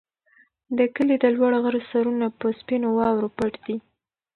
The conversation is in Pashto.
د کلي د لوړ غره سرونه په سپینو واورو پټ دي.